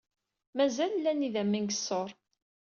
Mazal llan idammen deg ṣṣuṛ.